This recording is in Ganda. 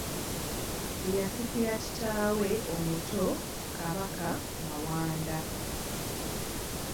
Ye yasikira kitaawe omuto Kabaka Mawanda.